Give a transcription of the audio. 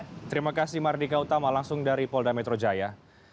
terima kasih mardika utama langsung dari polda metro jaya